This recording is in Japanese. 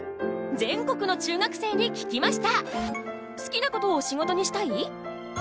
全国の中学生に聞きました！